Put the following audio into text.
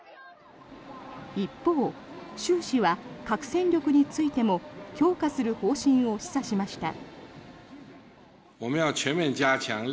一方、習氏は核戦力についても強化する方針を示唆しました。